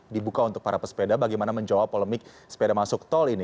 dibuka untuk para pesepeda bagaimana menjawab polemik sepeda masuk tol ini